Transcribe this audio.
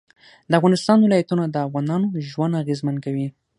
د افغانستان ولايتونه د افغانانو ژوند اغېزمن کوي.